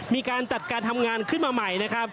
มีการจัดการทำงานขึ้นมาใหม่